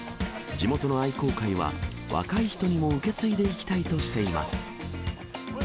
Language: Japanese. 地元の愛好会は若い人にも受け継いでいきたいとしています。